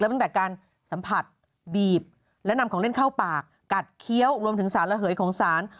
ตั้งแต่การสัมผัสบีบและนำของเล่นเข้าปากกัดเคี้ยวรวมถึงสารระเหยของสาร